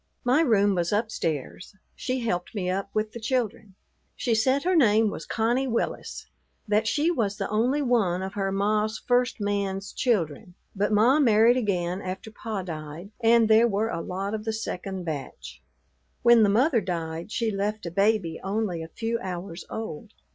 My room was upstairs; she helped me up with the children. She said her name was Connie Willis, that she was the only one of her "ma's first man's" children; but ma married again after pa died and there were a lot of the second batch. When the mother died she left a baby only a few hours old.